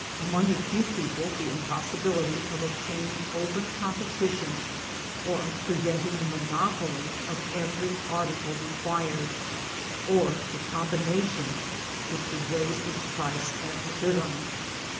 — ^Among a few people, the impossibility of obtaining open ccnn* petition, or of preventing the monopoly of every article required, or the combination which would raise its price *^ ad libitum."